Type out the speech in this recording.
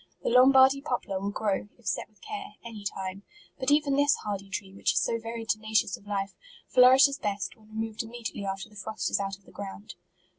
The Lombardy poplar will grow, if set with care ; MARCH. So any time. But even this hardy tree, which is so very tenacious of life, flourishes best, when removed immediately after the frost is out of the ground.